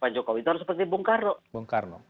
pak jokowi itu harus seperti bung karno